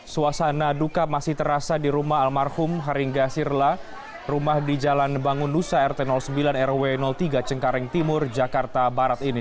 suasana duka masih terasa di rumah almarhum haringga sirla rumah di jalan bangun nusa rt sembilan rw tiga cengkareng timur jakarta barat ini